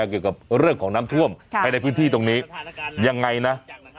เกี่ยวกับเรื่องของน้ำท่วมภายในพื้นที่ตรงนี้ยังไงนะ